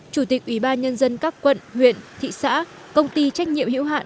chủ tịch ủy ban nhân dân các quận huyện thị xã công ty trách nhiệm hữu hạn